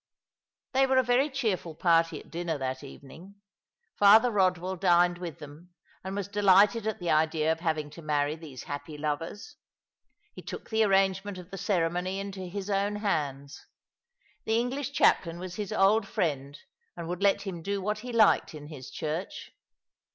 They were a very cheerful party at dinner that evening. Father Eodwell dined with them, and was delighted at tho idea of having to marry these happy lovers. He took the arrangement of the ceremony into his own hands. The English chaplain was his old friend, and would let him do what he liked in his church.